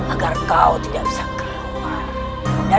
agar kau tidak bisa keluar